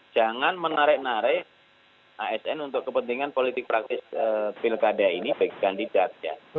jangan menarik narik asn untuk kepentingan politik praktis pilkada ini bagi kandidat ya